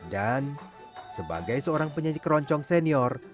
dan sebagai seorang penyanyi keroncong senior